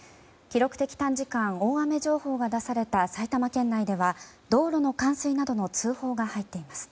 記録的短時間大雨情報が出された埼玉県内では道路の冠水などの通報が入っています。